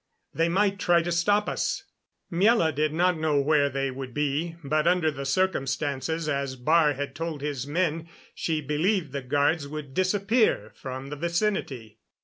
They might try to stop us." Miela did not know where they would be; but under the circumstances, as Baar had told his men, she believed the guards would disappear from the vicinity.